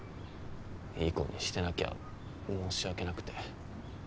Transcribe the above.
いい子にしてなきゃ申し訳なくて。